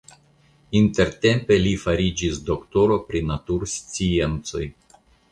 Intertempe li fariĝis doktoro pri natursciencoj.